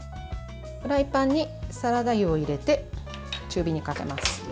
フライパンにサラダ油を入れて中火にかけます。